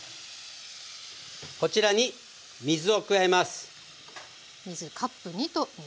こちらに水を加えます。